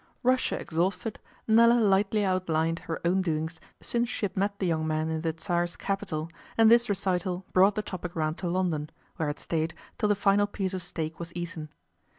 Russia exhausted, Nella lightly outlined her own doings since she had met the young man in the Tsar's capital, and this recital brought the topic round to London, where it stayed till the final piece of steak was eaten.